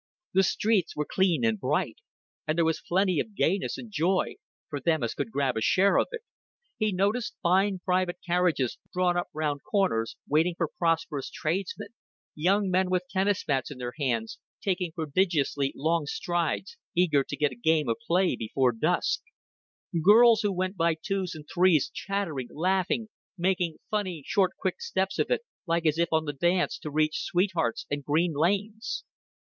The streets were clean and bright; and there was plenty of gayness and joy for them as could grab a share of it. He noticed fine private carriages drawn up round corners, waiting for prosperous tradesmen; young men with tennis bats in their hands, taking prodigiously long strides, eager to get a game of play before dusk; girls who went by twos and threes, chattering, laughing, making funny short quick steps of it, like as if on the dance to reach sweethearts and green lanes.